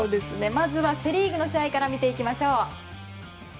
まずはセ・リーグの試合から見ていきましょう。